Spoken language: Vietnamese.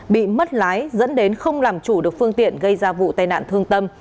bị mất lái dẫn đến không làm chủ được phương tiện gây ra vụ tai nạn thương tâm